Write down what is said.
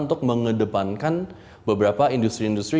untuk mengedepankan beberapa industri industri